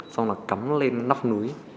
xong rồi cắm nó lên nóc núi